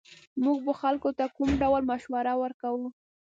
موږ به خلکو ته کوم ډول مشوره ورکوو